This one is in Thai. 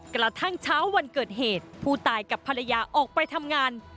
กระทั่งเช้าวันเกิดเหตุผู้ตายกับภรรยาออกไปทำงาน